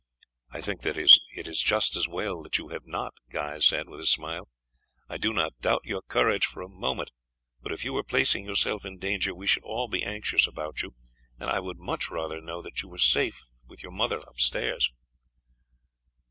"I think that it is just as well that you have not," Guy said with a smile. "I do not doubt your courage for a moment, but if you were placing yourself in danger we should all be anxious about you, and I would much rather know that you were safe with your mother upstairs."